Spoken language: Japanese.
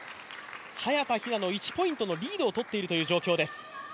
早田ひなの１ポイントのリードを取っているという状況です。